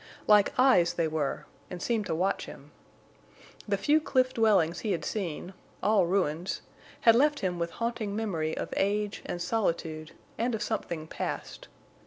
Like eyes they were, and seemed to watch him. The few cliff dwellings he had seen—all ruins—had left him with haunting memory of age and solitude and of something past.